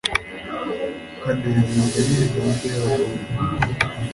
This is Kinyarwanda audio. ukanezezwa n'imigambi y'abagome